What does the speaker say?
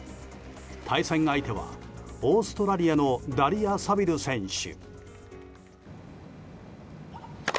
対戦相手はオーストラリアのダリア・サビル選手。